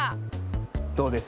どうです？